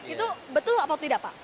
itu betul atau tidak pak